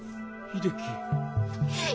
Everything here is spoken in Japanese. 秀樹。